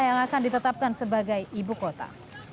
yang akan ditetapkan sebagai ibu kota